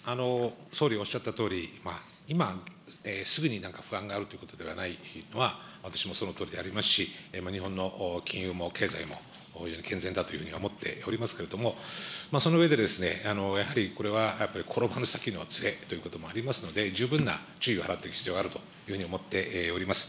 総理おっしゃったとおり、今すぐになんか不安があるということではないのは、私もそのとおりでありますし、日本の金融も経済も非常に健全だというふうには思っておりますけれども、その上で、やはりこれはやっぱり転ばぬ先のつえということもありますので、十分な注意を払っていく必要があると思っております。